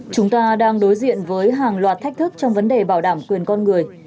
chúng ta đang đối diện với hàng loạt thách thức trong vấn đề bảo đảm quyền con người